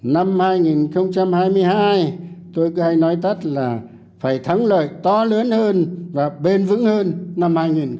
năm hai nghìn hai mươi hai tôi có hay nói tắt là phải thắng lợi to lớn hơn và bền vững hơn năm hai nghìn hai mươi ba